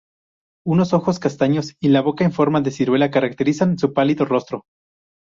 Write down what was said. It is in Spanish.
Unos ojos castaños y la boca en forma de ciruela caracterizan su pálido rostro.